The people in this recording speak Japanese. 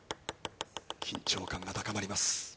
緊張感が高まります。